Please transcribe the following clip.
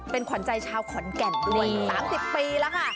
เป็นขวัญใจชาวขอนแก่นด้วย๓๐ปีแล้วค่ะ